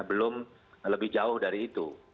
belum lebih jauh dari itu